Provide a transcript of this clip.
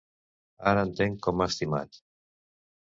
Ara entenc com m'ha estimat.